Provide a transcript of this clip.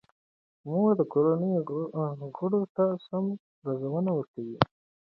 مور د کورنۍ غړو ته سمه روزنه ورکوي.